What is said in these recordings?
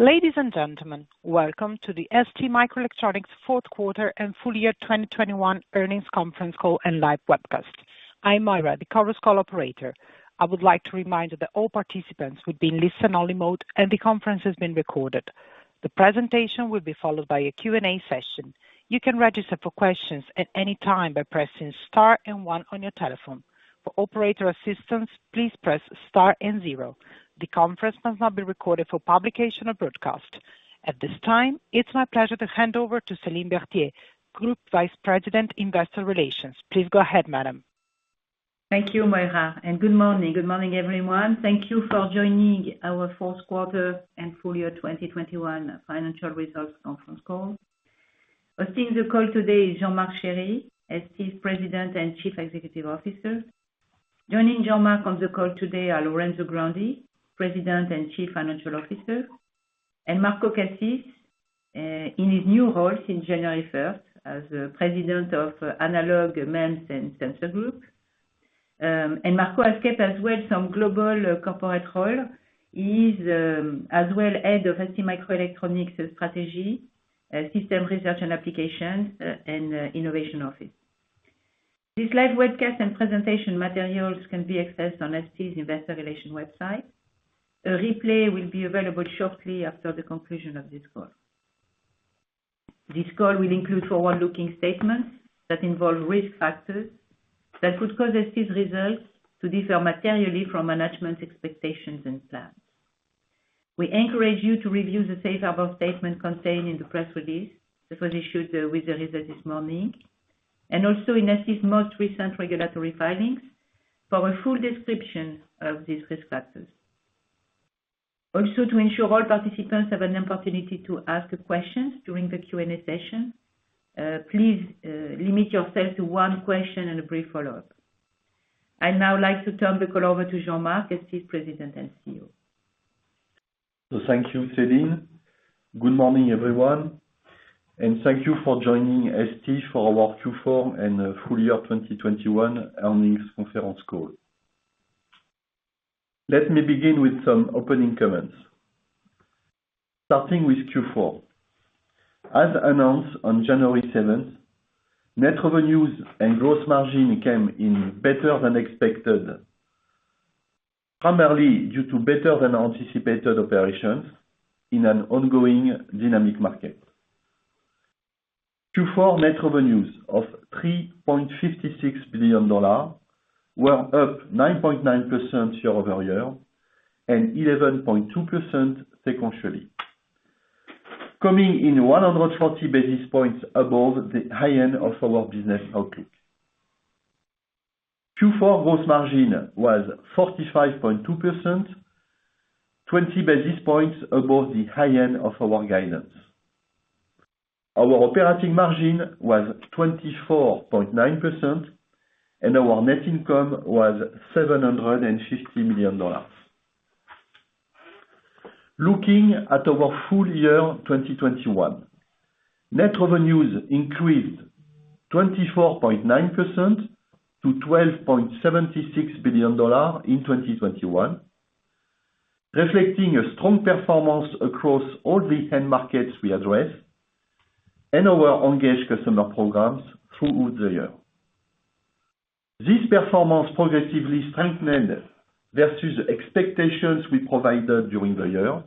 Ladies and gentlemen, welcome to the STMicroelectronics fourth quarter and full year 2021 earnings conference call and live webcast. I'm Moira, the Chorus Call operator. I would like to remind you that all participants will be in listen only mode and the conference is being recorded. The presentation will be followed by a Q&A session. You can register for questions at any time by pressing star and one on your telephone. For operator assistance, please press star and zero. The conference must not be recorded for publication or broadcast. At this time, it's my pleasure to hand over to Céline Berthier, Group Vice President, Investor Relations. Please go ahead, madam. Thank you, Moira, and good morning. Good morning, everyone. Thank you for joining our fourth quarter and full year 2021 financial results conference call. Hosting the call today is Jean-Marc Chéry, ST's President and Chief Executive Officer. Joining Jean-Marc on the call today are Lorenzo Grandi, President and Chief Financial Officer, and Marco Cassis in his new role since January first as President of Analog, MEMS and Sensors Group. Marco has kept as well some global corporate role. He is as well head of STMicroelectronics strategy, system research and applications, and innovation office. This live webcast and presentation materials can be accessed on ST's Investor Relations website. A replay will be available shortly after the conclusion of this call. This call will include forward-looking statements that involve risk factors that could cause ST's results to differ materially from management's expectations and plans. We encourage you to review the safe harbor statement contained in the press release that was issued with the results this morning, and also in ST's most recent regulatory filings for a full description of these risk factors. Also, to ensure all participants have an opportunity to ask questions during the Q&A session, please, limit yourself to one question and a brief follow-up. I'd now like to turn the call over to Jean-Marc, ST's President and CEO. Thank you, Céline. Good morning, everyone, and thank you for joining ST for our Q4 and full year 2021 earnings conference call. Let me begin with some opening comments. Starting with Q4. As announced on January 7, net revenues and gross margin came in better than expected, primarily due to better than anticipated operations in an ongoing dynamic market. Q4 net revenues of $3.56 billion were up 9.9% year-over-year and 11.2% sequentially, coming in 140 basis points above the high end of our business outlook. Q4 gross margin was 45.2%, 20 basis points above the high end of our guidance. Our operating margin was 24.9% and our net income was $750 million. Looking at our full year 2021. Net revenues increased 24.9% to $12.76 billion in 2021, reflecting a strong performance across all the end markets we address and our engaged customer programs throughout the year. This performance progressively strengthened versus expectations we provided during the year,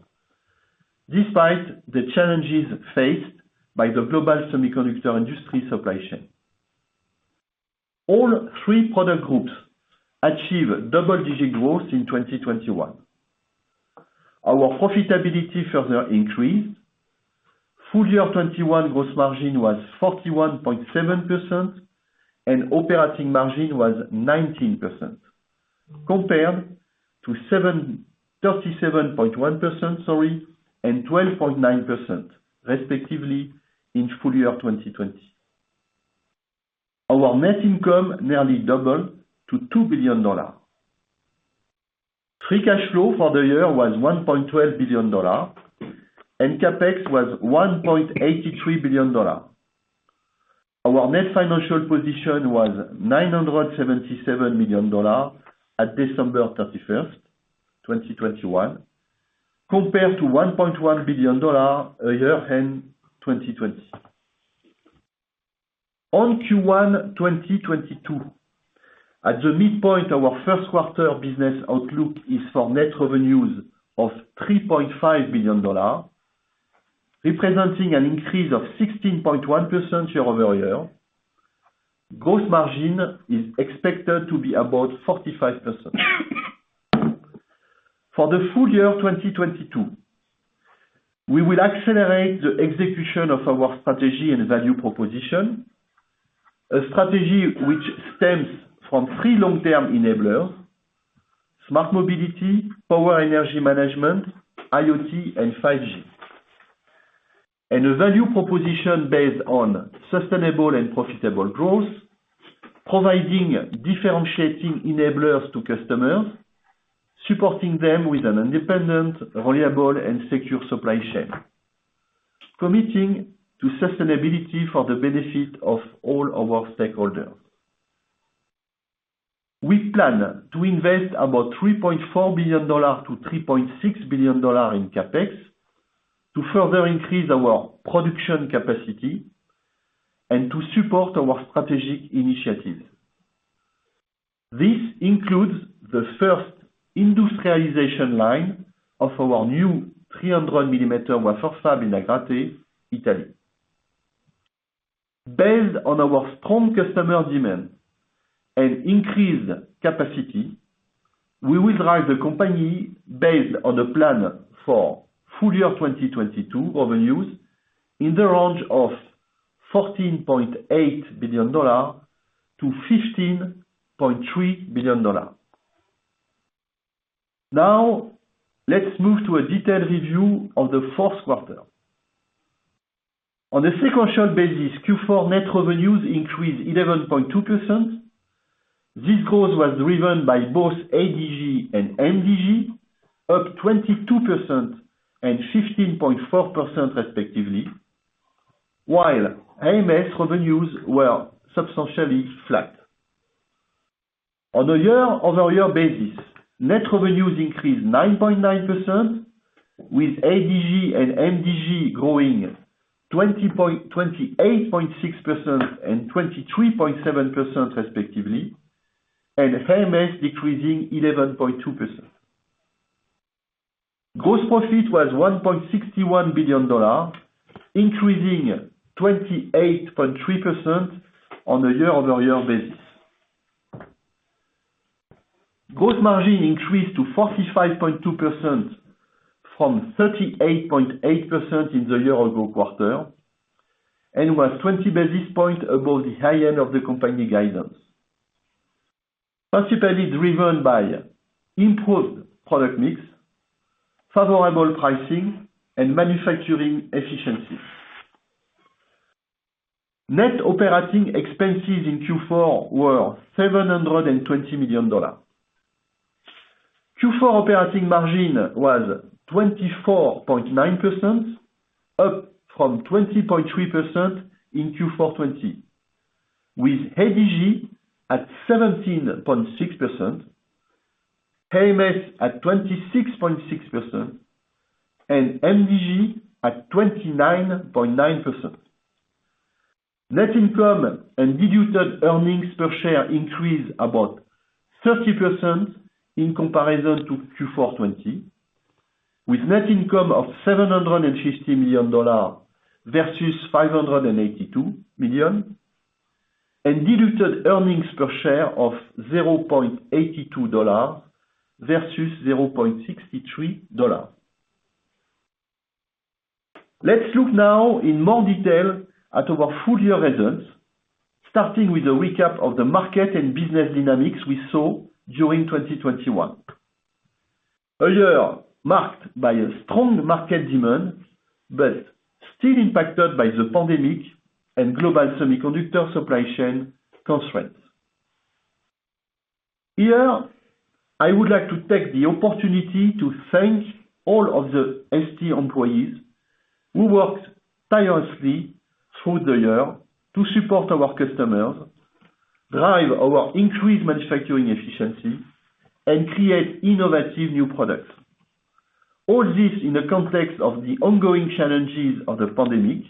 despite the challenges faced by the global semiconductor industry supply chain. All three product groups achieved double-digit growth in 2021. Our profitability further increased. Full year 2021 gross margin was 41.7% and operating margin was 19%, compared to 37.1%, sorry, and 12.9% respectively in full year 2020. Our net income nearly doubled to $2 billion. Free cash flow for the year was $1.12 billion and CapEx was $1.83 billion. Our net financial position was $977 million at December 31st, 2021, compared to $1.1 billion at year-end 2020. On Q1 2022, at the midpoint our first quarter business outlook is for net revenues of $3.5 billion, representing an increase of 16.1% year-over-year. Gross margin is expected to be about 45%. For the full year 2022, we will accelerate the execution of our strategy and value proposition. A strategy which stems from three long-term enablers, smart mobility, power energy management, IoT and 5G. A value proposition based on sustainable and profitable growth, providing differentiating enablers to customers, supporting them with an independent, reliable and secure supply chain. Committing to sustainability for the benefit of all our stakeholders. We plan to invest about $3.4 billion-$3.6 billion in CapEx to further increase our production capacity and to support our strategic initiatives. This includes the first industrialization line of our new 300-mm wafer fab in Agrate, Italy. Based on our strong customer demand and increased capacity, we will drive the company based on the plan for full year 2022 revenues in the range of $14.8 billion-$15.3 billion. Now, let's move to a detailed review of the fourth quarter. On a sequential basis, Q4 net revenues increased 11.2%. This growth was driven by both ADG and MDG, up 22% and 15.4% respectively, while AMS revenues were substantially flat. On a year-over-year basis, net revenues increased 9.9% with ADG and MDG growing 28.6% and 23.7% respectively, and AMS decreasing 11.2%. Gross profit was $1.61 billion, increasing 28.3% on a year-over-year basis. Gross margin increased to 45.2% from 38.8% in the year ago quarter and was 20 basis points above the high end of the company guidance, principally driven by improved product mix, favorable pricing, and manufacturing efficiencies. Net operating expenses in Q4 were $720 million. Q4 operating margin was 24.9%, up from 20.3% in Q4 2020, with ADG at 17.6%, AMS at 26.6%, and MDG at 29.9%. Net income and diluted earnings per share increased about 30% in comparison to Q4 2020, with net income of $750 million versus $582 million, and diluted earnings per share of $0.82 versus $0.63. Let's look now in more detail at our full year results, starting with a recap of the market and business dynamics we saw during 2021. A year marked by a strong market demand, but still impacted by the pandemic and global semiconductor supply chain constraints. Here, I would like to take the opportunity to thank all of the ST employees who worked tirelessly through the year to support our customers, drive our increased manufacturing efficiency, and create innovative new products. All this in the context of the ongoing challenges of the pandemic,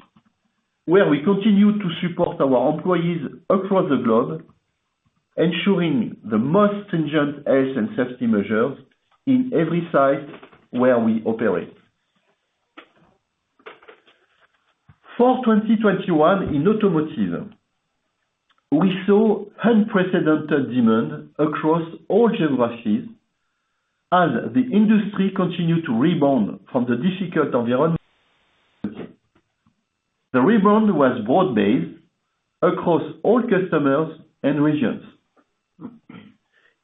where we continue to support our employees across the globe, ensuring the most stringent health and safety measures in every site where we operate. For 2021 in automotive, we saw unprecedented demand across all geographies as the industry continued to rebound from the difficult environment. The rebound was broad-based across all customers and regions.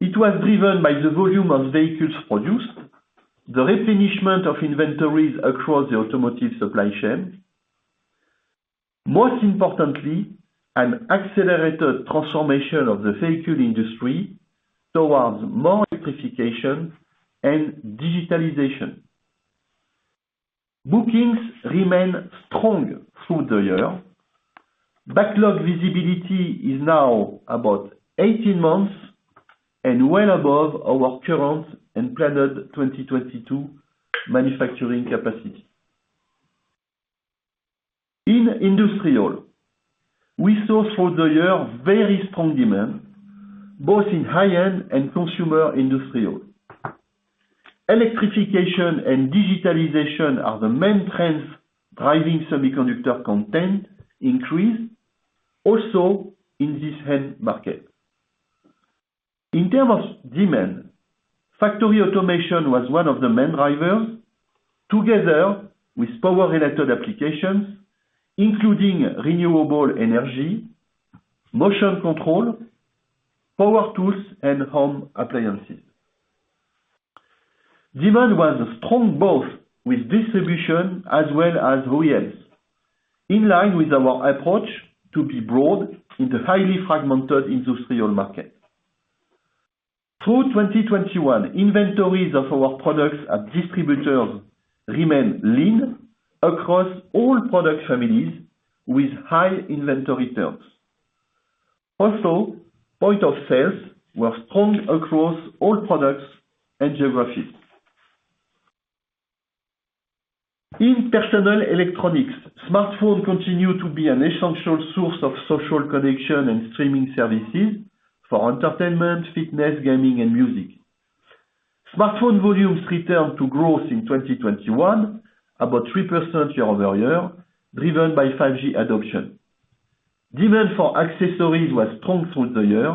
It was driven by the volume of vehicles produced, the replenishment of inventories across the automotive supply chain, most importantly, an accelerated transformation of the vehicle industry towards more electrification and digitalization. Bookings remain strong through the year. Backlog visibility is now about 18 months and well above our current and planned 2022 manufacturing capacity. In industrial, we saw through the year very strong demand, both in high-end and consumer industrial. Electrification and digitalization are the main trends driving semiconductor content increase also in this end market. In terms of demand, factory automation was one of the main drivers, together with power-related applications, including renewable energy, motion control, power tools, and home appliances. Demand was strong both with distribution as well as OEMs, in line with our approach to be broad in the highly fragmented industrial market. Through 2021, inventories of our products at distributors remain lean across all product families with high inventory terms. Also, point of sales were strong across all products and geographies. In personal electronics, smartphones continue to be an essential source of social connection and streaming services for entertainment, fitness, gaming and music. Smartphone volumes returned to growth in 2021, about 3% year-over-year, driven by 5G adoption. Demand for accessories was strong through the year,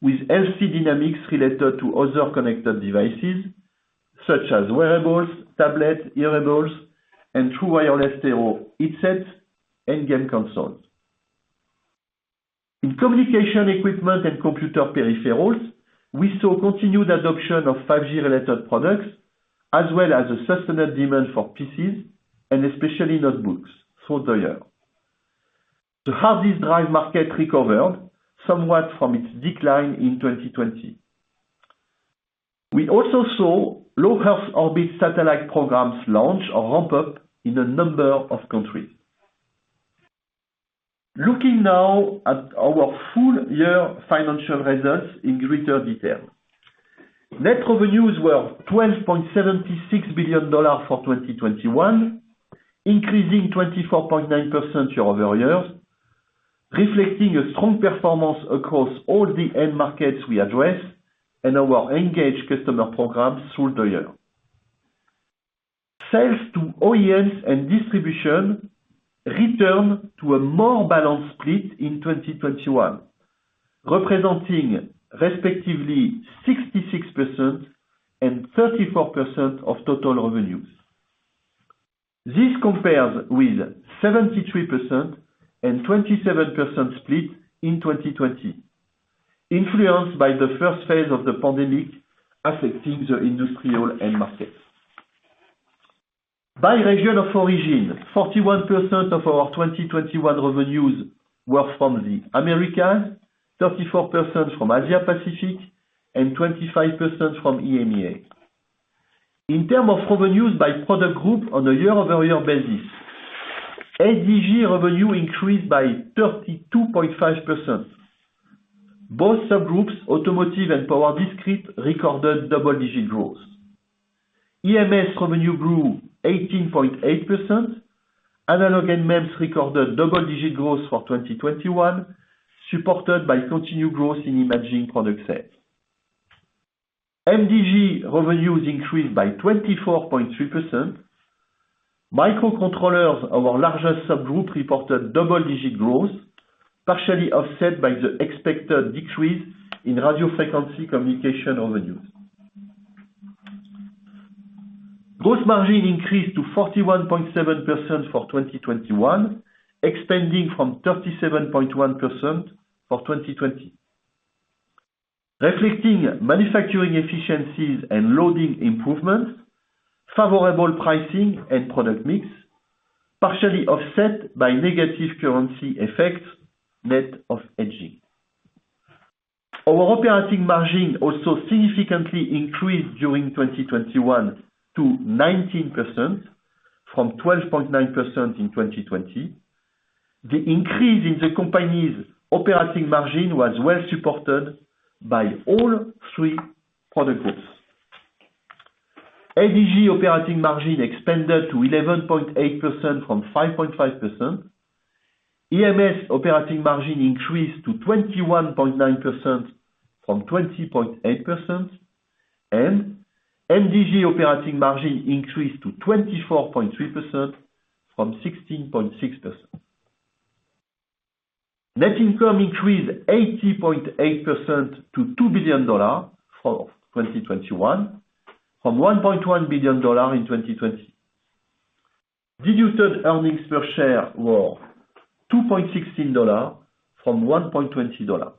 with healthy dynamics related to other connected devices such as wearables, tablets, hearables and true wireless stereo headsets and game consoles. In communication equipment and computer peripherals, we saw continued adoption of 5G related products as well as a sustained demand for PCs and especially notebooks through the year. The hard drive market recovered somewhat from its decline in 2020. We also saw low-Earth orbit satellite programs launch or ramp up in a number of countries. Looking now at our full year financial results in greater detail. Net revenues were $12.76 billion for 2021, increasing 24.9% year-over-year, reflecting a strong performance across all the end markets we address and our engaged customer programs through the year. Sales to OEMs and distribution returned to a more balanced split in 2021, representing respectively 66% and 34% of total revenues. This compares with 73% and 27% split in 2020, influenced by the first phase of the pandemic affecting the industrial end markets. By region of origin, 41% of our 2021 revenues were from the Americas, 34% from Asia-Pacific, and 25% from EMEA. In terms of revenues by product group on a year-over-year basis, ADG revenue increased by 32.5%. Both subgroups, automotive and power discrete, recorded double-digit growth. AMS revenue grew 18.8%. Analog and MEMS recorded double-digit growth for 2021, supported by continued growth in imaging product sales. MDG revenues increased by 24.3%. Microcontrollers, our largest subgroup, reported double-digit growth, partially offset by the expected decrease in radio frequency communication revenues. Gross margin increased to 41.7% for 2021, expanding from 37.1% for 2020, reflecting manufacturing efficiencies and loading improvements, favorable pricing and product mix, partially offset by negative currency effects, net of hedging. Our operating margin also significantly increased during 2021 to 19% from 12.9% in 2020. The increase in the company's operating margin was well supported by all three product groups. ADG operating margin expanded to 11.8% from 5.5%. AMS operating margin increased to 21.9% from 20.8%, and MDG operating margin increased to 24.3% from 16.6%. Net income increased 80.8% to $2 billion for 2021 from $1.1 billion in 2020. Diluted earnings per share were $2.16 from $1.20.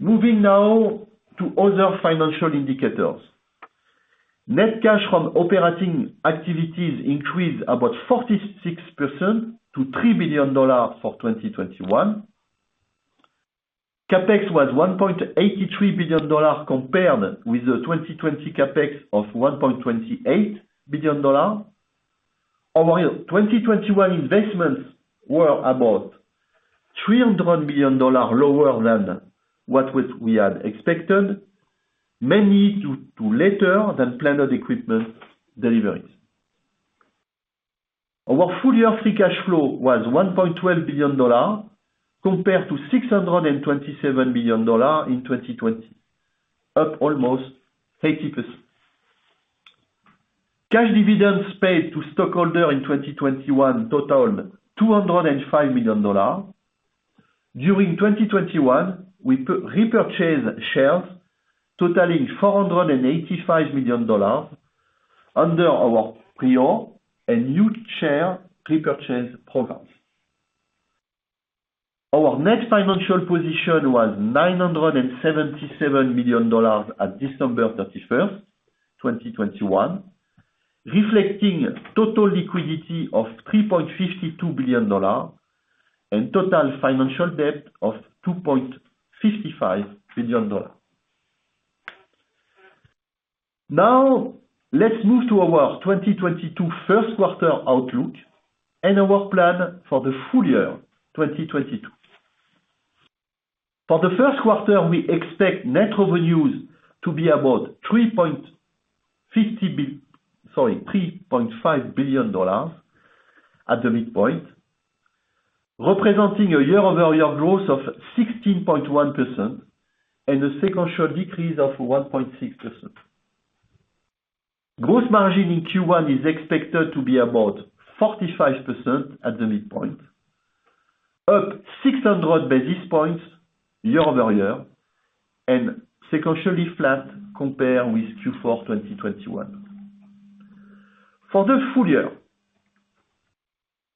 Moving now to other financial indicators. Net cash from operating activities increased about 46% to $3 billion for 2021. CapEx was $1.83 billion compared with the 2020 CapEx of $1.28 billion. Our 2021 investments were about $300 million lower than what we had expected, mainly due to later than planned equipment deliveries. Our full year free cash flow was $1.12 billion compared to $627 million in 2020, up almost 80%. Cash dividends paid to stockholder in 2021 totaled $205 million. During 2021, we repurchased shares totaling $485 million under our prior and new share repurchase programs. Our net financial position was $977 million at December 31st, 2021. Reflecting total liquidity of $3.52 billion and total financial debt of $2.55 billion. Now let's move to our 2022 first quarter outlook and our plan for the full year 2022. For the first quarter, we expect net revenues to be about $3.5 billion at the midpoint, representing a year-over-year growth of 16.1% and a sequential decrease of 1.6%. Gross margin in Q1 is expected to be about 45% at the midpoint, up 600 basis points year-over-year and sequentially flat compared with Q4 2021. For the full year,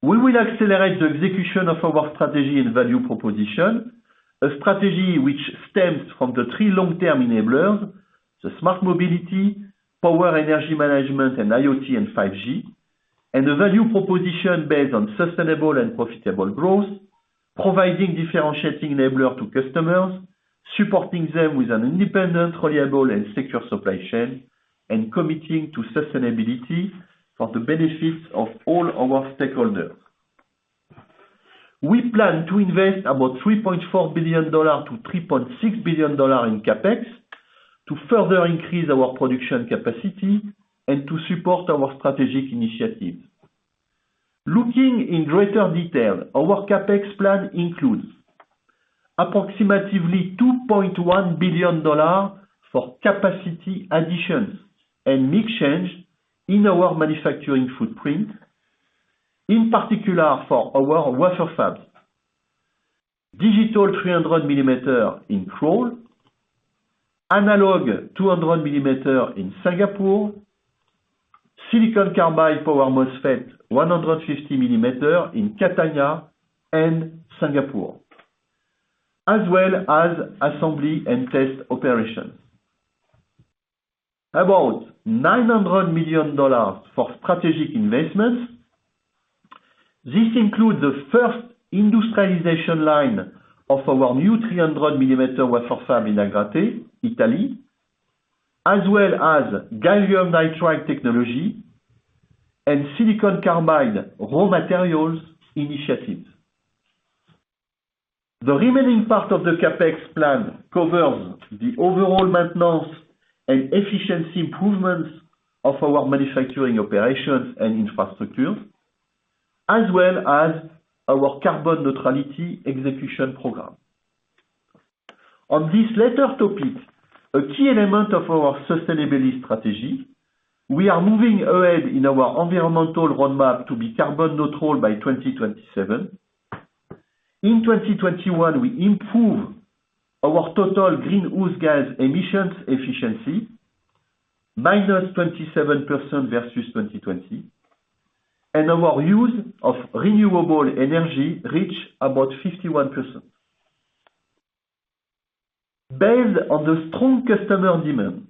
we will accelerate the execution of our strategy and value proposition, a strategy which stems from the three long term enablers, the smart mobility, power energy management, and IoT and 5G, and a value proposition based on sustainable and profitable growth, providing differentiating enabler to customers, supporting them with an independent, reliable, and secure supply chain, and committing to sustainability for the benefits of all our stakeholders. We plan to invest about $3.4 billion-$3.6 billion in CapEx to further increase our production capacity and to support our strategic initiatives. Looking in greater detail, our CapEx plan includes approximately $2.1 billion for capacity additions and mix change in our manufacturing footprint. In particular for our wafer fabs, digital 300 mm in Crolles, analog 200 mm in Singapore, silicon carbide power MOSFET 150 mm in Catania and Singapore, as well as assembly and test operations. About $900 million for strategic investments. This includes the first industrialization line of our new 300 mm wafer fab in Agrate, Italy, as well as gallium nitride technology and silicon carbide raw materials initiatives. The remaining part of the CapEx plan covers the overall maintenance and efficiency improvements of our manufacturing operations and infrastructure, as well as our carbon neutrality execution program. On this latter topic, a key element of our sustainability strategy, we are moving ahead in our environmental roadmap to be carbon neutral by 2027. In 2021, we improve our total greenhouse gas emissions efficiency -27% versus 2020, and our use of renewable energy reach about 51%. Based on the strong customer demand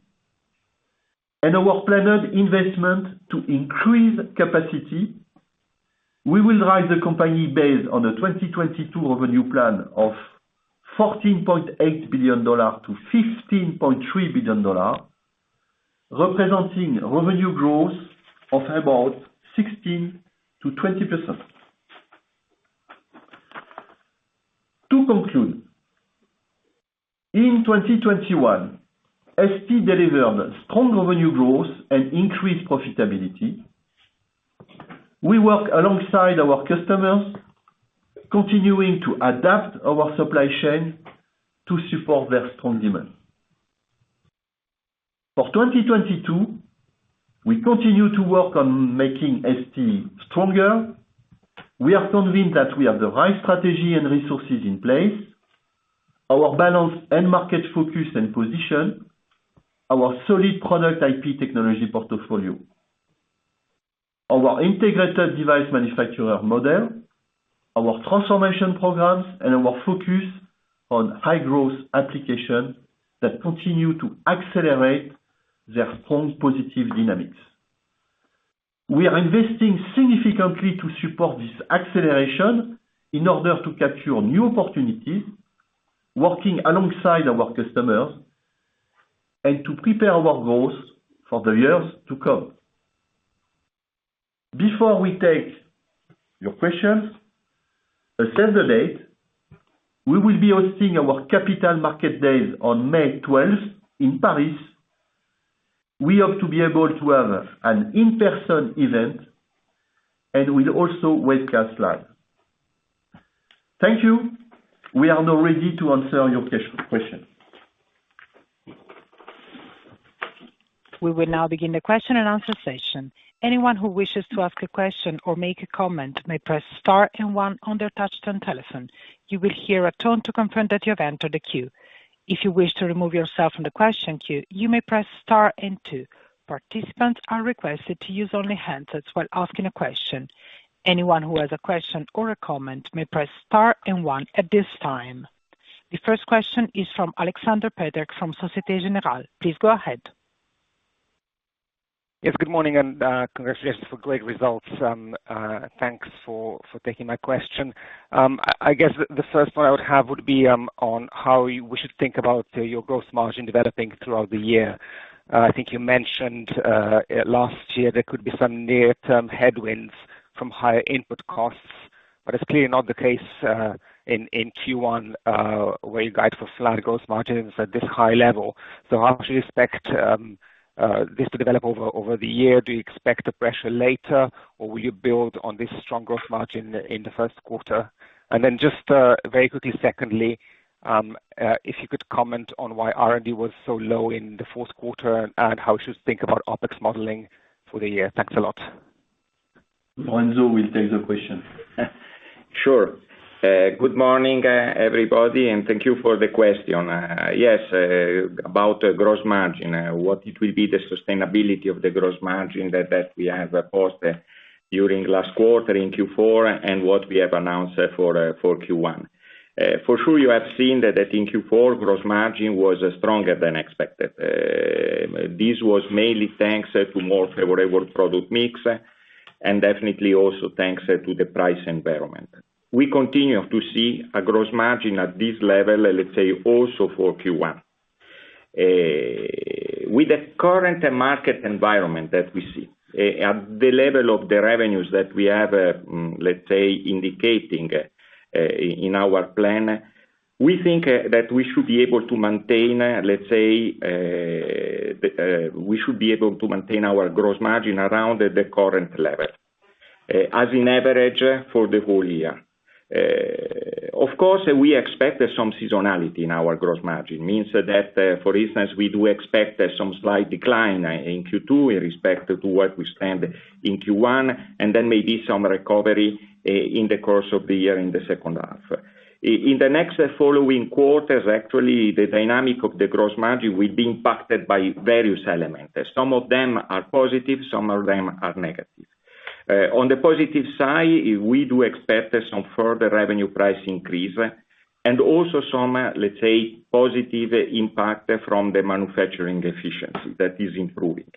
and our planned investment to increase capacity, we will drive the company based on the 2022 revenue plan of $14.8 billion-$15.3 billion, representing revenue growth of about 16%-20%. To conclude, in 2021, ST delivered strong revenue growth and increased profitability. We work alongside our customers, continuing to adapt our supply chain to support their strong demand. For 2022, we continue to work on making ST stronger. We are convinced that we have the right strategy and resources in place. Our balance and market focus and position, our solid product IP technology portfolio, our integrated device manufacturer model, our transformation programs, and our focus on high growth application that continue to accelerate their strong positive dynamics. We are investing significantly to support this acceleration in order to capture new opportunities, working alongside our customers and to prepare our growth for the years to come. Before we take your questions, save the date. We will be hosting our Capital Markets Day on May 12 in Paris. We hope to be able to have an in-person event and will also webcast live. Thank you. We are now ready to answer your questions. We will now begin the question and answer session. Anyone who wishes to ask a question or make a comment may press star and one on their touchtone telephone. You will hear a tone to confirm that you have entered the queue. If you wish to remove yourself from the question queue, you may press star and two. Participants are requested to use only handsets while asking a question. Anyone who has a question or a comment may press star and one at this time. The first question is from Aleksander Peterc from Société Générale. Please go ahead. Yes, good morning and congratulations for great results. Thanks for taking my question. I guess the first one I would have would be on how we should think about your gross margin developing throughout the year. I think you mentioned last year there could be some near-term headwinds from higher input costs, but it's clearly not the case in Q1 where you guide for flat gross margins at this high level. How much do you expect this to develop over the year? Do you expect the pressure later, or will you build on this strong gross margin in the first quarter? Just very quickly, secondly, if you could comment on why R&D was so low in the fourth quarter and how we should think about OpEx modeling for the year. Thanks a lot. Lorenzo will take the question. Sure. Good morning, everybody, and thank you for the question. Yes, about gross margin, what it will be the sustainability of the gross margin that we have posted during last quarter in Q4 and what we have announced for Q1. For sure, you have seen that in Q4, gross margin was stronger than expected. This was mainly thanks to more favorable product mix and definitely also thanks to the price environment. We continue to see a gross margin at this level, let's say, also for Q1. With the current market environment that we see, at the level of the revenues that we have, let's say indicating in our plan, we think that we should be able to maintain our gross margin around the current level, as an average for the whole year. Of course, we expect some seasonality in our gross margin. Means that, for instance, we do expect some slight decline in Q2 in respect to what we stand in Q1, and then maybe some recovery in the course of the year in the second half. In the next following quarters, actually, the dynamic of the gross margin will be impacted by various elements. Some of them are positive, some of them are negative. On the positive side, we do expect some further revenue price increase and also some, let's say, positive impact from the manufacturing efficiency that is improving.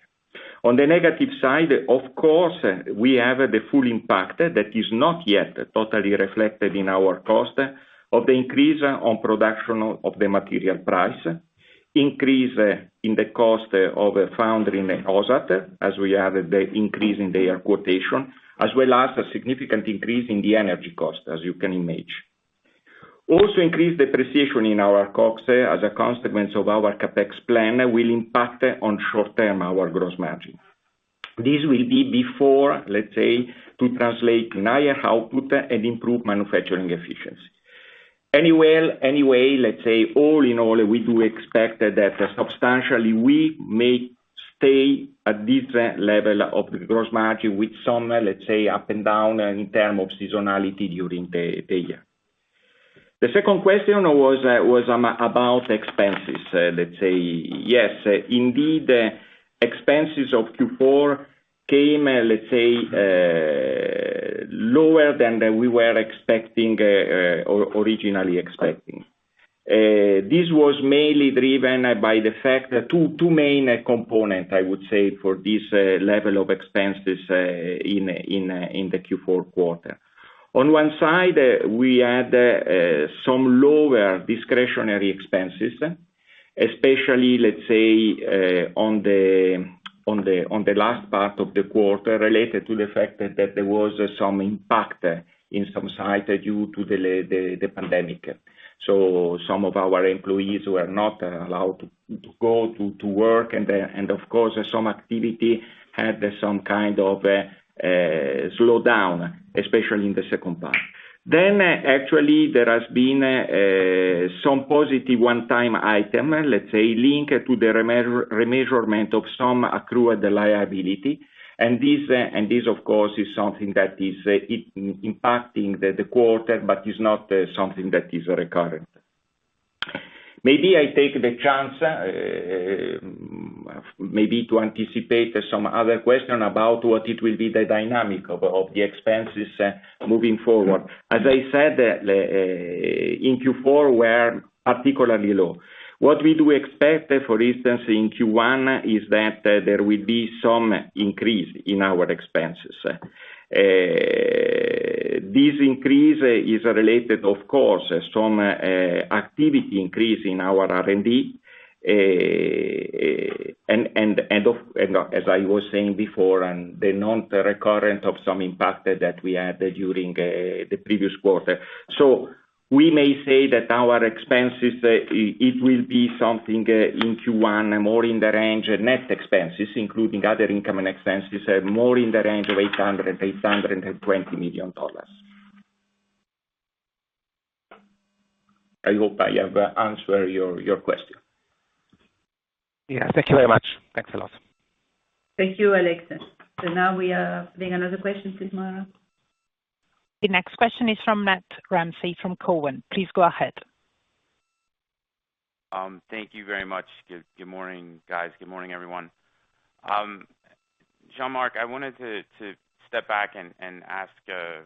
On the negative side, of course, we have the full impact that is not yet totally reflected in our cost of the increase on production of the material price, increase in the cost of foundry in OSAT, as we have the increase in their quotation, as well as a significant increase in the energy cost, as you can imagine. Also, increase depreciation in our COGS as a consequence of our CapEx plan will impact on short-term our gross margin. This will be before, let's say, to translate higher output and improve manufacturing efficiency. All in all, we do expect that substantially we may stay at this level of gross margin with some, let's say, up and down in terms of seasonality during the year. The second question was about expenses. Let's say yes, indeed, expenses of Q4 came, let's say, lower than we were expecting, or originally expecting. This was mainly driven by the fact that two main components, I would say, for this level of expenses, in the Q4 quarter. On one side, we had some lower discretionary expenses, especially, let's say, on the last part of the quarter, related to the fact that there was some impact in some sites due to the pandemic. Some of our employees were not allowed to go to work and, of course, some activity had some kind of slowdown, especially in the second part. Actually, there has been some positive one-time item, let's say, linked to the remeasurement of some accrued liability. This, of course, is something that is impacting the quarter, but is not something that is recurrent. Maybe I take the chance, maybe to anticipate some other question about what it will be the dynamic of the expenses moving forward. As I said, in Q4 were particularly low. What we do expect, for instance, in Q1 is that there will be some increase in our expenses. This increase is related, of course, some activity increase in our R&D, and as I was saying before, and the non-recurring of some impact that we had during the previous quarter. We may say that our expenses it will be something in Q1 more in the range of net expenses, including other income and expenses, more in the range of $820 million. I hope I have answered your question. Yeah. Thank you very much. Thanks a lot. Thank you, Alexander. Now we take another question, please, Moira. The next question is from Matt Ramsay from Cowen. Please go ahead. Thank you very much. Good morning, guys. Good morning, everyone. Jean-Marc, I wanted to step back and ask a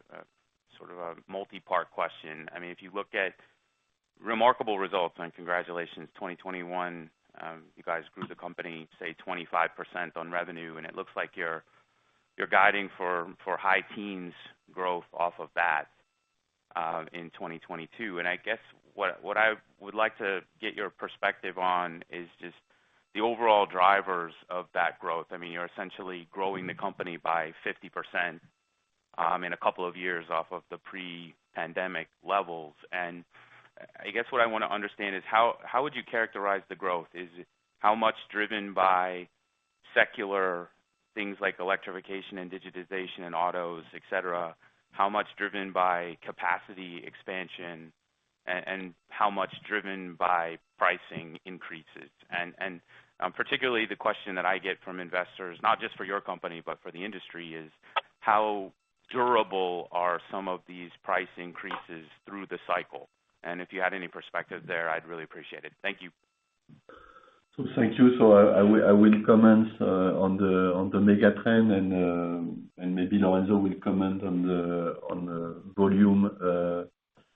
sort of a multi-part question. I mean, if you look at remarkable results, and congratulations, 2021, you guys grew the company, say 25% on revenue, and it looks like you're guiding for high teens growth off of that in 2022. I guess what I would like to get your perspective on is just the overall drivers of that growth. I mean, you're essentially growing the company by 50% in a couple of years off of the pre-pandemic levels. I guess what I wanna understand is how would you characterize the growth? Is it how much driven by secular things like electrification and digitization in autos, et cetera? How much driven by capacity expansion, and how much driven by pricing increases? Particularly the question that I get from investors, not just for your company, but for the industry, is how durable are some of these price increases through the cycle? If you had any perspective there, I'd really appreciate it. Thank you. Thank you. I will comment on the mega trend and maybe Lorenzo will comment on the volume,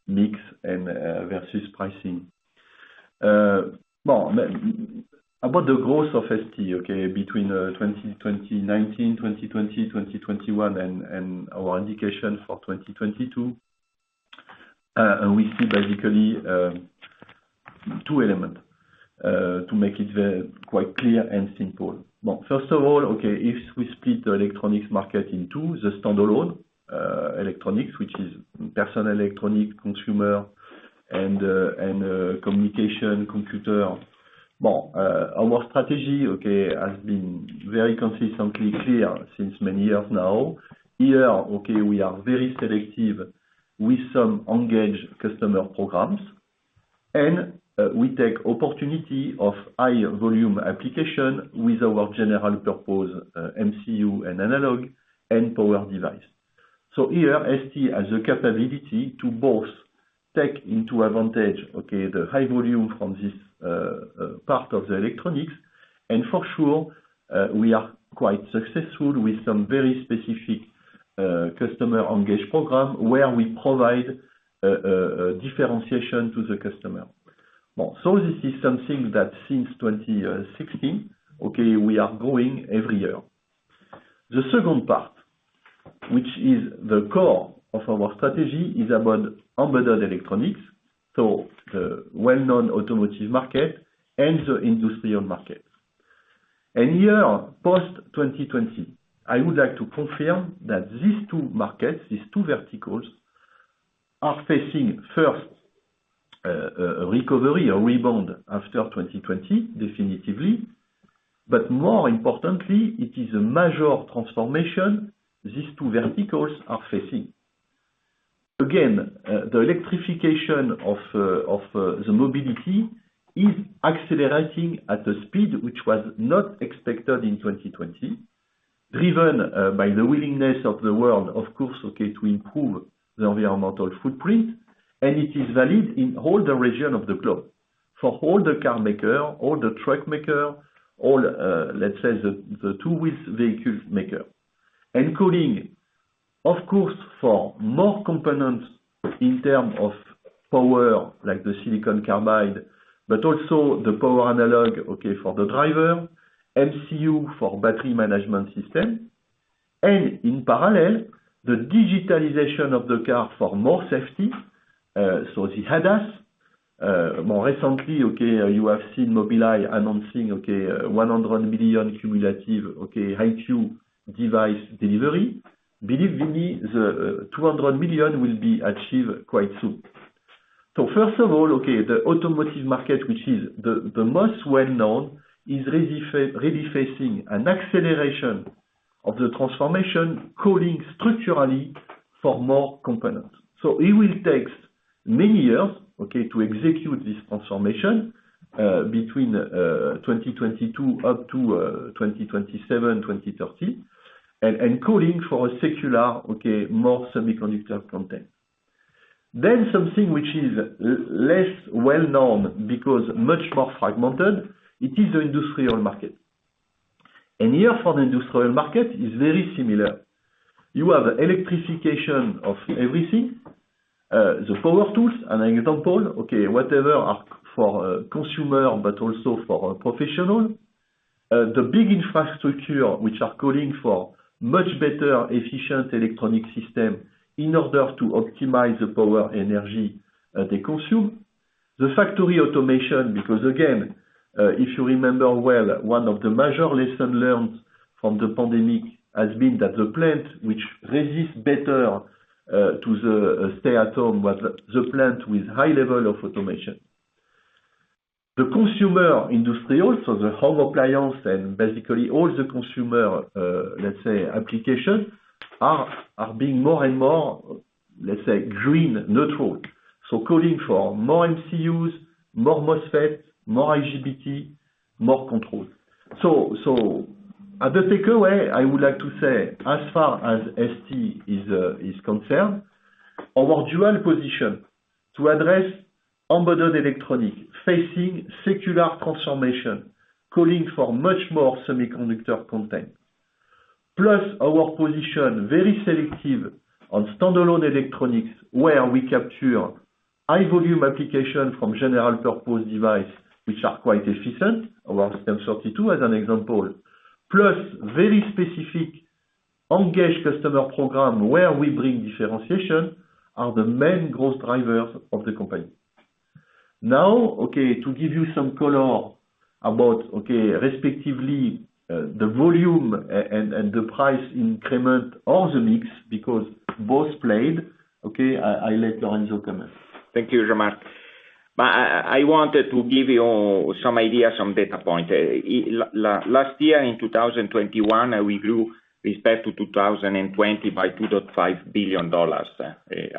mix and versus pricing. Well, about the growth of ST, between 2019, 2020, 2021 and our indication for 2022, we see basically two elements to make it very quite clear and simple. First of all, if we split the electronics market in two, the standalone electronics, which is personal electronic consumer and communication computer. Our strategy has been very consistently clear since many years now. Here, we are very selective with some engaged customer programs, and we take opportunity of high volume application with our general purpose MCU and analog and power device. Here, ST has the capability to both take advantage of the high volume from this part of the electronics. For sure, we are quite successful with some very specific customer engaged program where we provide differentiation to the customer. Well, this is something that since 2016 we are growing every year. The second part, which is the core of our strategy, is about embedded electronics, the well-known automotive market and the industrial market. Here, post-2020, I would like to confirm that these two markets, these two verticals, are facing first recovery or rebound after 2020, definitively. More importantly, it is a major transformation these two verticals are facing. Again, the electrification of the mobility is accelerating at a speed which was not expected in 2020, driven by the willingness of the world, of course, to improve the environmental footprint, and it is valid in all the regions of the globe. For all the car makers, all the truck makers, all, let's say, the two-wheel vehicle makers. Calling, of course, for more components in terms of power, like the silicon carbide, but also the power analog, for the drivers, MCU for battery management system. In parallel, the digitalization of the car for more safety, so the ADAS. More recently, you have seen Mobileye announcing 100 million cumulative EyeQ device delivery. Believe me, the 200 million will be achieved quite soon. First of all, the automotive market, which is the most well-known, is really facing an acceleration of the transformation, calling structurally for more components. It will take many years to execute this transformation between 2022 up to 2027, 2030, and calling for a secular more semiconductor content. Something which is less well-known because much more fragmented, it is the industrial market. Here for the industrial market is very similar. You have electrification of everything. The power tools, an example, whatever are for consumer but also for professional. The big infrastructure which are calling for much better efficient electronic system in order to optimize the power energy they consume. The factory automation, because again, if you remember well, one of the major lesson learned from the pandemic has been that the plant which resist better to the stay at home was the plant with high level of automation. The consumer industry also, the home appliance and basically all the consumer, let's say, application are being more and more, let's say, green neutral. Calling for more MCUs, more MOSFET, more IGBT, more control. As a takeaway, I would like to say as far as ST is concerned. Our dual position to address embedded electronic facing secular transformation, calling for much more semiconductor content. Plus our position, very selective on standalone electronics, where we capture high volume application from general purpose device which are quite efficient, our STM32 as an example. Very specific engaged customer program where we bring differentiation are the main growth drivers of the company. Now, to give you some color about, respectively, the volume and the price increment or the mix because both played. I let Lorenzo comment. Thank you, Jean-Marc. I wanted to give you some ideas, some data point. Last year in 2021, we grew with respect to 2020 by $2.5 billion,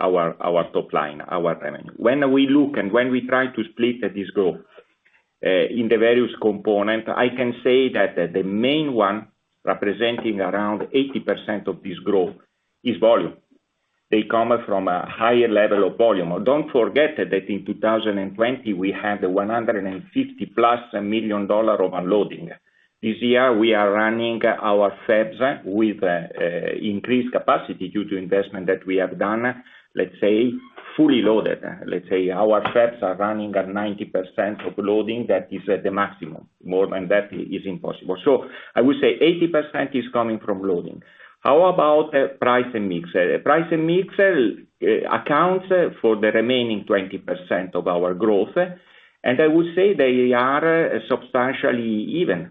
our top line, our revenue. When we look and when we try to split this growth, in the various component, I can say that the main one representing around 80% of this growth is volume. They come from a higher level of volume. Don't forget that in 2020 we had $150+ million of underloading. This year we are running our fabs with increased capacity due to investment that we have done, let's say, fully loaded. Let's say our fabs are running at 90% of loading. That is the maximum. More than that is impossible. I would say 80% is coming from loading. How about price and mix? Price and mix accounts for the remaining 20% of our growth. I would say they are substantially even,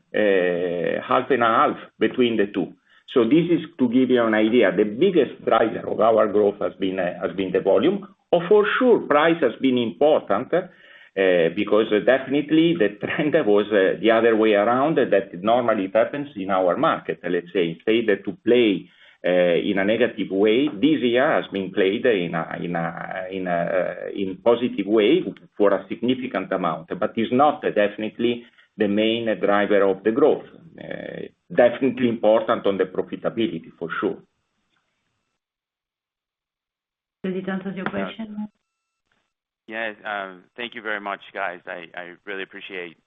half and half between the two. This is to give you an idea. The biggest driver of our growth has been the volume. For sure price has been important, because definitely the trend was the other way around that normally happens in our market. Let's say, failed to play in a negative way. This year has been played in a positive way for a significant amount, but is not definitely the main driver of the growth. Definitely important on the profitability for sure. Did it answer your question? Yes. Thank you very much, guys. I really appreciate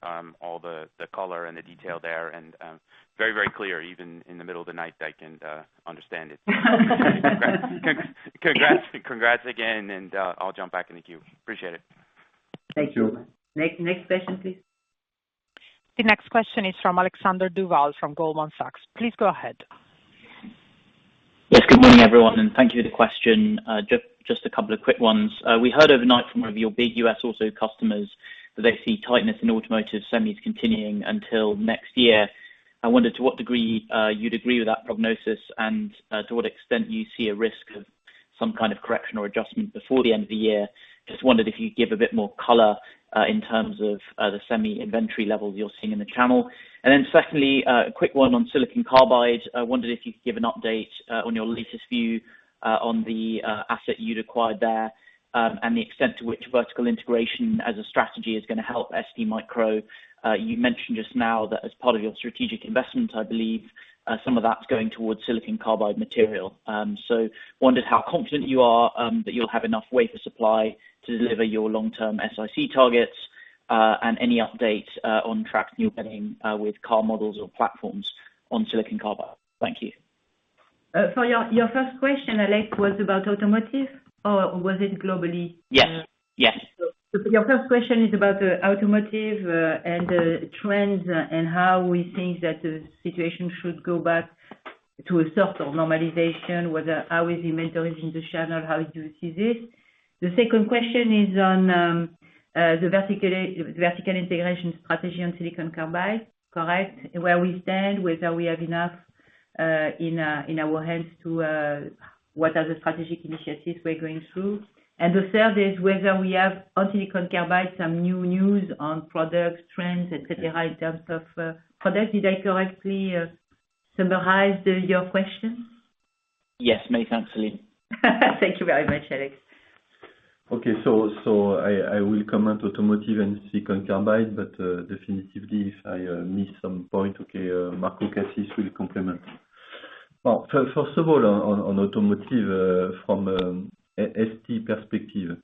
all the color and the detail there and very, very clear. Even in the middle of the night, I can understand it. Congrats, congrats again and I'll jump back in the queue. Appreciate it. Thank you. Next question, please. The next question is from Alexander Duval from Goldman Sachs. Please go ahead. Yes, good morning, everyone, and thank you for the question. Just a couple of quick ones. We heard overnight from one of your big U.S. auto customers that they see tightness in automotive semis continuing until next year. I wondered to what degree you'd agree with that prognosis and to what extent you see a risk of some kind of correction or adjustment before the end of the year. Just wondered if you could give a bit more color in terms of the semi inventory levels you're seeing in the channel. Then secondly, a quick one on silicon carbide. I wondered if you could give an update on your latest view on the asset you'd acquired there and the extent to which vertical integration as a strategy is gonna help STMicro. You mentioned just now that as part of your strategic investment, I believe, some of that's going towards silicon carbide material. Wondered how confident you are that you'll have enough wafer supply to deliver your long-term SIC targets, and any update on traction you're getting with car models or platforms on silicon carbide. Thank you. Your first question, Alex, was about automotive or was it globally? Yes, yes. Your first question is about the automotive and trends, and how we think that the situation should go back to a sort of normalization, whether how is inventory in the channel, how do you see this? The second question is on the vertical integration strategy on silicon carbide, correct? Where we stand, whether we have enough in our hands to what are the strategic initiatives we're going through. The third is whether we have, on silicon carbide, some new news on products, trends, et cetera, in terms of product. Did I correctly summarize your question? Yes, many thanks, Céline. Thank you very much, Alex. I will comment on automotive and silicon carbide, but definitively if I miss some point, Marco Cassis will complement. First of all, on automotive, from ST perspective,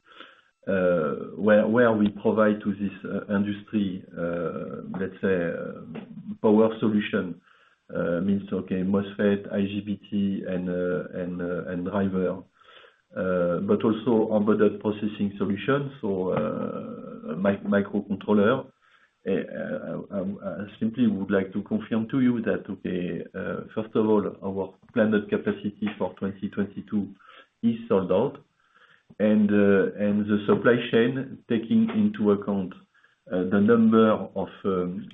where we provide to this industry, let's say power solution, means MOSFET, IGBT and driver, but also embedded processing solution. Microcontroller. I simply would like to confirm to you that, first of all, our planned capacity for 2022 is sold out. The supply chain, taking into account the number of,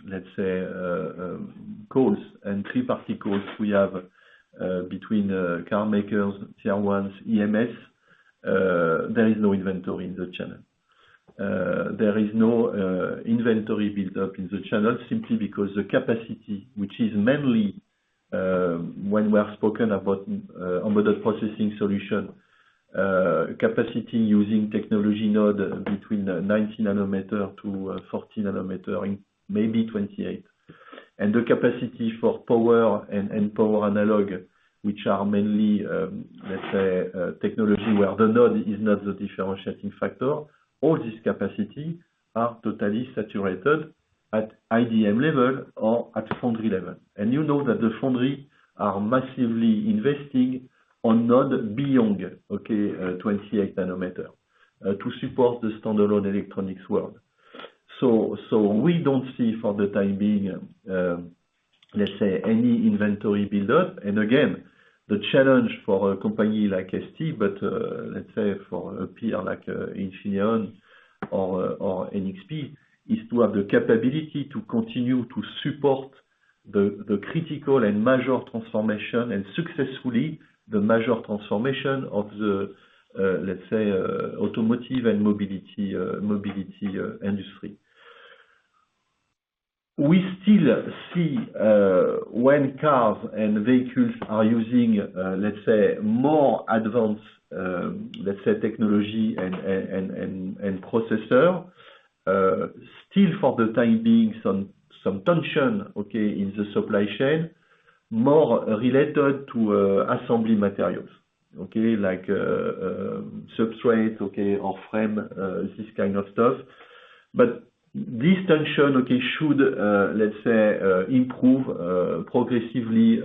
let's say, calls and third party calls we have, between car makers, Tier 1s, EMS, there is no inventory in the channel. There is no inventory built up in the channel simply because the capacity, which is mainly, when we have spoken about, embedded processing solution, capacity using technology node between 90 nm to 40 nm and maybe 28 nm. The capacity for power and power analog, which are mainly, let's say, technology where the node is not the differentiating factor. All these capacity are totally saturated at IDM level or at foundry level. You know that the foundry are massively investing on node beyond 28 nm to support the standalone electronics world. We don't see for the time being, let's say, any inventory build-up. Again, the challenge for a company like ST, but let's say for a peer like Infineon or NXP, is to have the capability to continue to support the critical and major transformation and successfully the major transformation of the let's say automotive and mobility industry. We still see when cars and vehicles are using let's say more advanced let's say technology and processor still for the time being some tension okay in the supply chain, more related to assembly materials okay. Like substrates okay or frame this kind of stuff. This tension okay should let's say improve progressively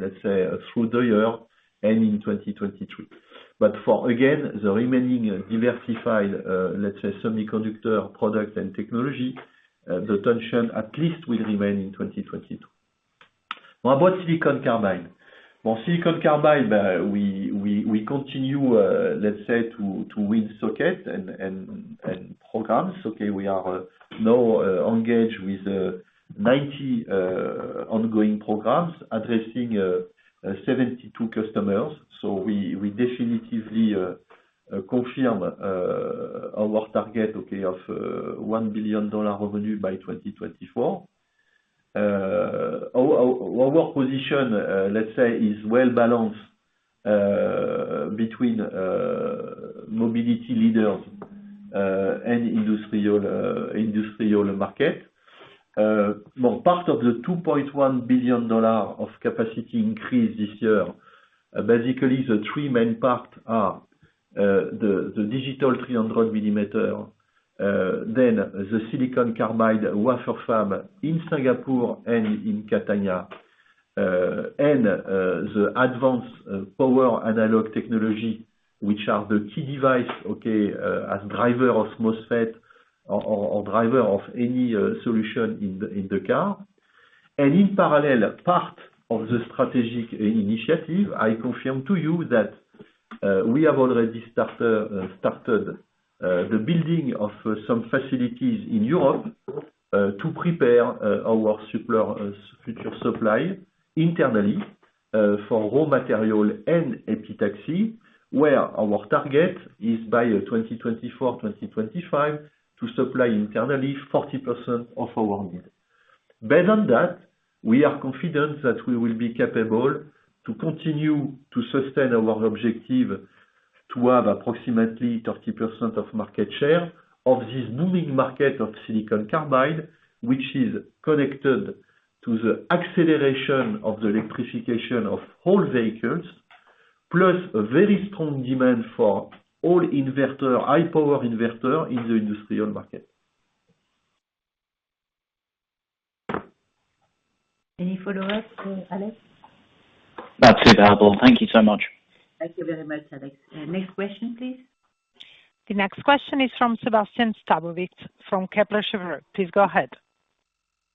let's say through the year and in 2022. For again, the remaining diversified, let's say, semiconductor product and technology, the tension at least will remain in 2022. Now about silicon carbide. For silicon carbide, we continue, let's say, to win sockets and programs. Okay, we are now engaged with 90 ongoing programs addressing 72 customers. So we definitively confirm our target, okay, of $1 billion revenue by 2024. Our position, let's say, is well balanced between mobility leaders and industrial market. For part of the $2.1 billion of capacity increase this year, basically the three main parts are the digital 300 mm, then the silicon carbide wafer fab in Singapore and in Catania, and the advanced power analog technology, which are the key device as driver of MOSFET or driver of any solution in the car. In parallel, part of the strategic initiative, I confirm to you that we have already started the building of some facilities in Europe to prepare our future supply internally for raw material and epitaxy, where our target is by 2024-2025 to supply internally 40% of our need. Based on that, we are confident that we will be capable to continue to sustain our objective to have approximately 30% of market share of this booming market of silicon carbide, which is connected to the acceleration of the electrification of all vehicles. A very strong demand for all inverter, high power inverter in the industrial market. Any follow-ups, Alex? That's it, helpful. Thank you so much. Thank you very much, Alex. Next question, please. The next question is from Sébastien Sztabowicz from Kepler Cheuvreux. Please go ahead.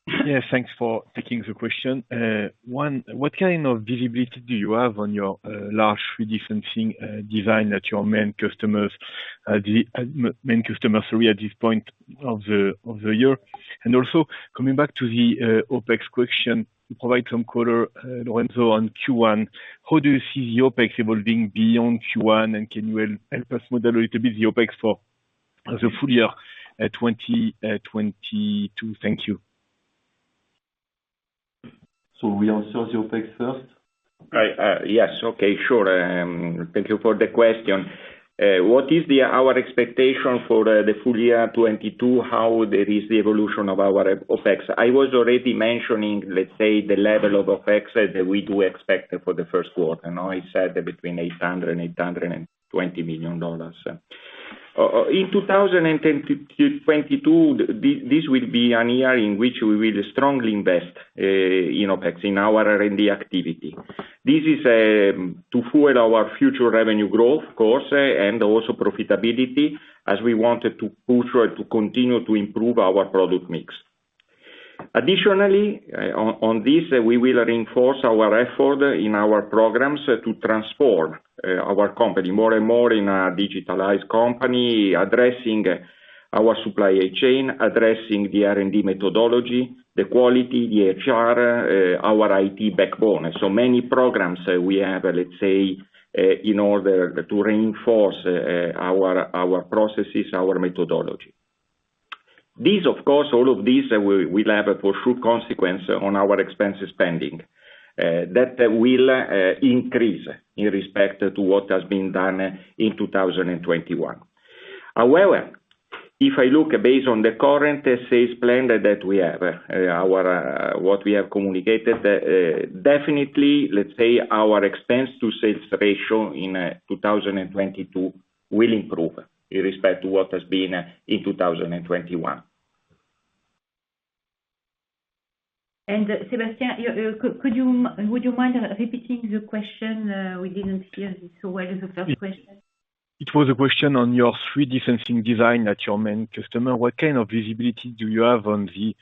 Yeah, thanks for taking the question. One, what kind of visibility do you have on your large redifferentiation design at your main customers, sorry, at this point of the year? Also coming back to the OpEx question, you provide some color, Lorenzo, on Q1. How do you see the OpEx evolving beyond Q1, and can you help us model a little bit the OpEx for the full year, 2022? Thank you. We answer the OpEx first? Yes. Thank you for the question. What is our expectation for the full year 2022, how is the evolution of our OpEx? I was already mentioning, let's say, the level of OpEx that we do expect for the first quarter. Now, I said between $800 million and $820 million. In 2022, this will be a year in which we will strongly invest in OpEx, in our R&D activity. This is to fuel our future revenue growth, of course, and also profitability, as we wanted to push or to continue to improve our product mix. Additionally, on this, we will reinforce our effort in our programs to transform our company more and more in a digitalized company, addressing our supply chain, addressing the R&D methodology, the quality, the HR, our IT backbone. So many programs we have, let's say, in order to reinforce our processes, our methodology. These of course, all of these will have a true consequence on our expense spending that will increase in respect to what has been done in 2021. However, if I look based on the current sales plan that we have, our what we have communicated, definitely, let's say our expense to sales ratio in 2022 will improve in respect to what has been in 2021. Sébastien, would you mind repeating the question? We didn't hear it so well, the first question. It was a question on your 3D sensing design at your main customer. What kind of visibility do you have on the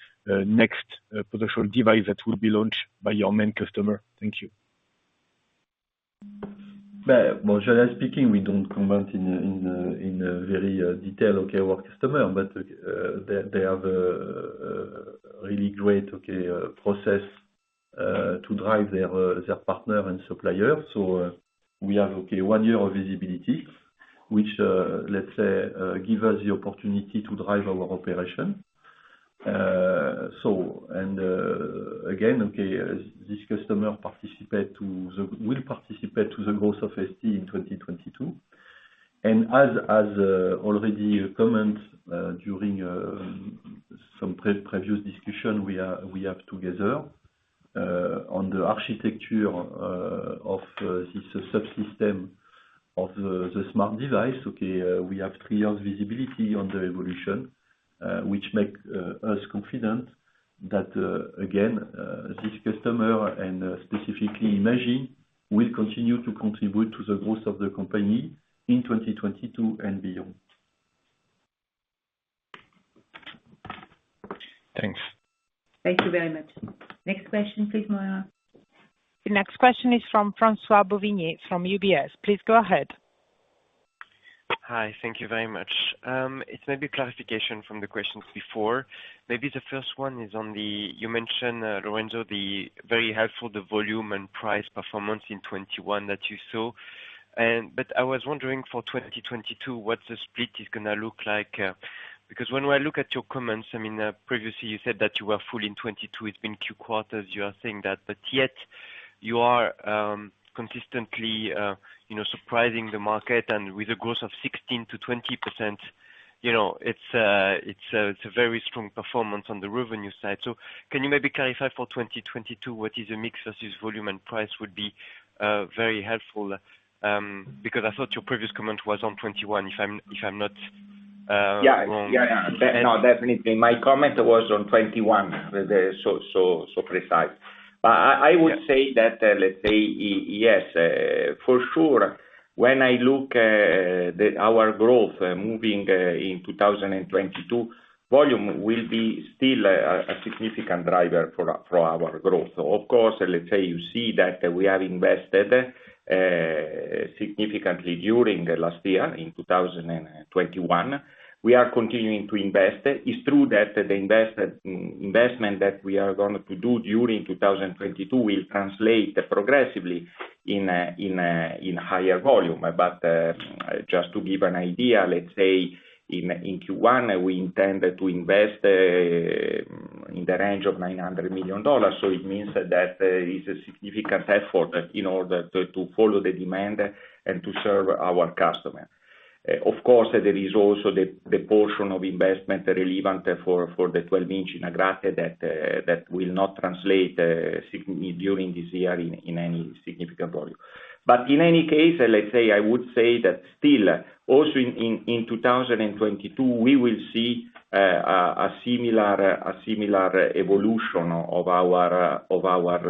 next potential device that will be launched by your main customer? Thank you. Well, generally speaking, we don't comment in detail on our customer. They have really great process to drive their partner and supplier. We have one year of visibility, which let's say gives us the opportunity to drive our operation. This customer will participate to the growth of ST in 2022. As already commented during some previous discussion we have together on the architecture of this subsystem of the smart device. Okay, we have three years visibility on the evolution, which make us confident that, again, this customer and, specifically Imaging will continue to contribute to the growth of the company in 2022 and beyond. Thanks. Thank you very much. Next question please, Moira. The next question is from François Bouvignies from UBS. Please go ahead. Hi. Thank you very much. It's maybe clarification from the questions before. Maybe the first one is on the you mentioned, Lorenzo, the very helpful, the volume and price performance in 2021 that you saw. I was wondering for 2022, what the split is gonna look like. Because when I look at your comments, I mean, previously, you said that you were full in 2022. It's been two quarters, you are saying that. Yet you are consistently, you know, surprising the market and with a growth of 16%-20%, you know, it's a very strong performance on the revenue side. Can you maybe clarify for 2022 what is a mix of this volume and price would be, very helpful, because I thought your previous comment was on 2021, if I'm not wrong. Yeah, no, definitely. My comment was on 2021, so precise. I would say that, let's say yes, for sure, when I look at our growth moving in 2022, volume will be still a significant driver for our growth. Of course, let's say you see that we have invested significantly during the last year in 2021. We are continuing to invest. It's true that the investment that we are going to do during 2022 will translate progressively in a higher volume. Just to give an idea, let's say in Q1, we intend to invest in the range of $900 million. It means that there is a significant effort in order to follow the demand and to serve our customer. Of course, there is also the portion of investment relevant for the 12-in in Agrate that will not translate during this year in any significant volume. In any case, I would say that still also in 2022, we will see a similar evolution of our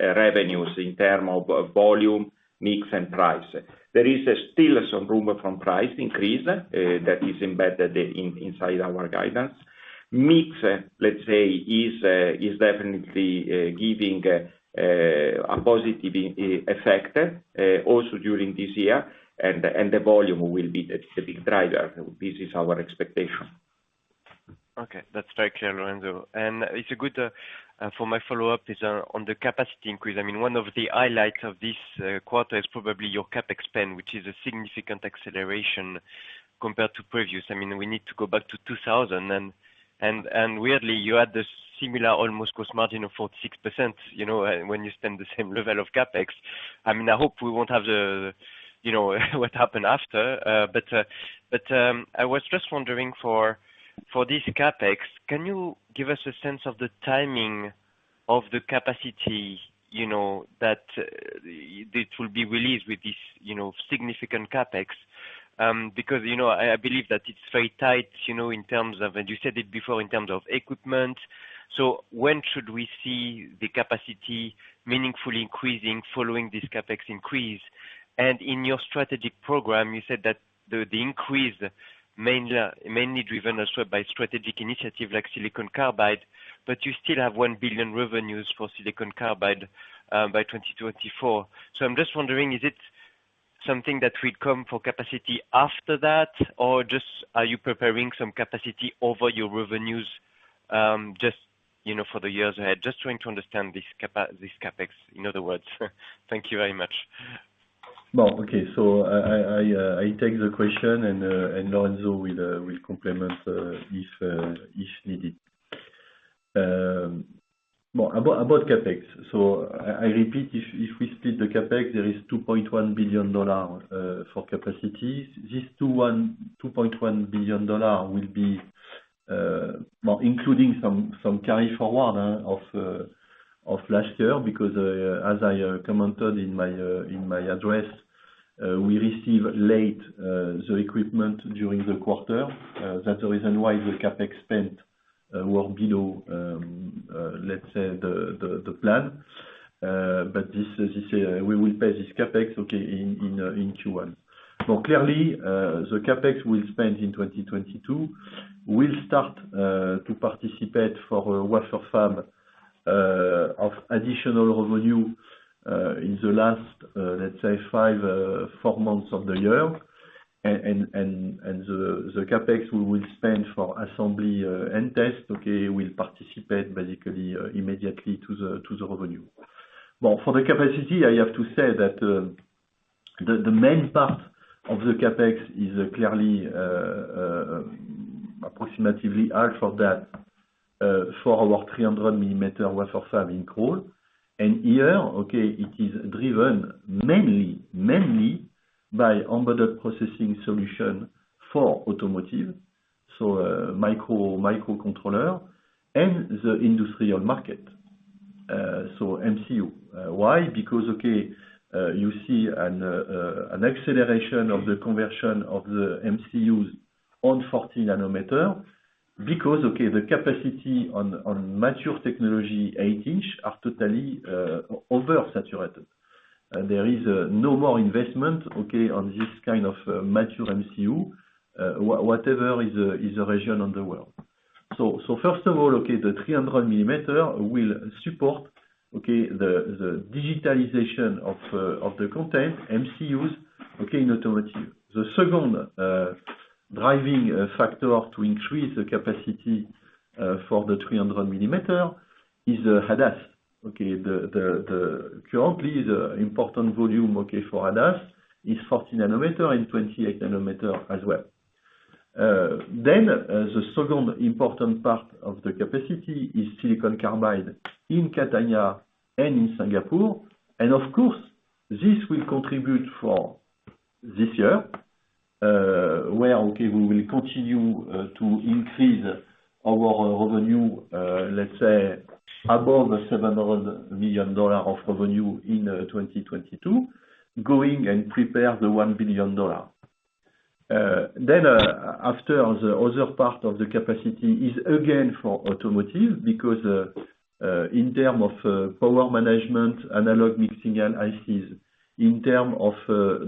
revenues in terms of volume, mix and price. There is still some room from price increase that is embedded inside our guidance. Mix is definitely giving a positive effect also during this year. The volume will be the big driver. This is our expectation. Okay. That's very clear, Lorenzo. It's good. My follow-up is on the capacity increase. I mean, one of the highlights of this quarter is probably your CapEx spend, which is a significant acceleration compared to previous. I mean, we need to go back to 2000. Weirdly, you had a similar almost gross margin of 46%, you know, when you spend the same level of CapEx. I mean, I hope we won't have the, you know, what happened after. But I was just wondering for this CapEx. Can you give us a sense of the timing of the capacity, you know, that will be released with this, you know, significant CapEx? Because, you know, I believe that it's very tight, you know, in terms of equipment. And you said it before, in terms of equipment. So when should we see the capacity meaningfully increasing following this CapEx increase? And in your strategic program, you said that the increase mainly driven also by strategic initiative like silicon carbide, but you still have $1 billion revenues for silicon carbide by 2024. So I'm just wondering, is it something that will come for capacity after that? Or just are you preparing some capacity over your revenues, just, you know, for the years ahead? Just trying to understand this CapEx, in other words. Thank you very much. Well, okay. I take the question and Lorenzo will complement if needed. Well, about CapEx. I repeat, if we split the CapEx, there is $2.1 billion for capacity. This $2.1 billion will be, well, including some carry forward of last year, because, as I commented in my address, we receive late the equipment during the quarter. That's the reason why the CapEx spent were below, let's say the plan. We will pay this CapEx, okay, in Q1. More clearly, the CapEx we'll spend in 2022. We'll start to participate for a wafer fab of additional revenue in the last, let's say five, four months of the year. The CapEx we will spend for assembly end test will participate basically immediately to the revenue. Well, for the capacity, I have to say that the main part of the CapEx is clearly approximately half of that for our 300 mm wafer fab in Crolles. Here it is driven mainly by embedded processing solution for automotive, so microcontroller and the industrial market, so MCU. Why? Because you see an acceleration of the conversion of the MCUs on 40 nm because the capacity on mature technology 8 in are totally oversaturated. There is no more investment on this kind of mature MCU, whatever is the region in the world. First of all, the 300 mm will support the digitalization of the connected MCUs in automotive. The second driving factor to increase the capacity for the 300 mm is ADAS. Currently the important volume for ADAS is 40 nm and 28 nm as well. The second important part of the capacity is silicon carbide in Catania and in Singapore. Of course, this will contribute for this year where we will continue to increase our revenue, let's say above $700 million of revenue in 2022, going and prepare the $1 billion. After the other part of the capacity is again for automotive because in terms of power management, analog mixing and ICs, in terms of